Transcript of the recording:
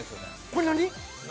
これ何？